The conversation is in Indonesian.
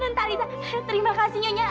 ntarita terima kasih nyonya